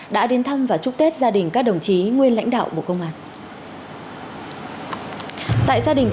đã đến thăm và chúc tết gia đình các đồng chí nguyên lãnh đạo bộ công an